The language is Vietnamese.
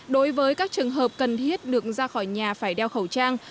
đối với các trường hợp cần thiết được ra khỏi nhà phải đeo khẩu trang